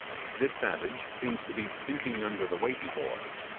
The savage seemed to be sinking under the weight he bore.